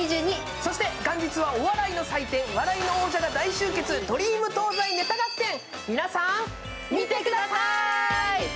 そして元日はお笑いの祭典、お笑いが大集結、「ドリーム東西ネタ合戦」皆さん、見てくださーい。